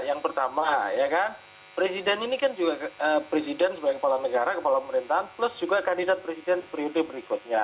yang pertama ya kan presiden ini kan juga presiden sebagai kepala negara kepala pemerintahan plus juga kandidat presiden periode berikutnya